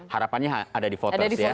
harapannya ada di voters ya